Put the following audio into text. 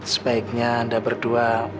sebaiknya anda berdua